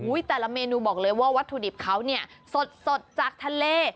อุ๊ยแต่ละเมนูบอกเลยว่าวัตถุดิบเขาสดจากทะเล